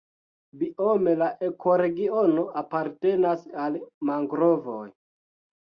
Biome la ekoregiono apartenas al mangrovoj.